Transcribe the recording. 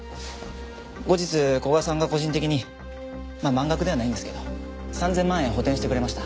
後日古賀さんが個人的にまあ満額ではないんですけど３０００万円補填してくれました。